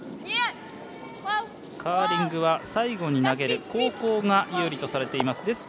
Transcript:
カーリングは最後に投げる後攻が有利とされています。